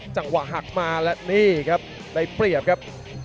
จังหวะหักมาและนี่ครับได้เปรียบครับ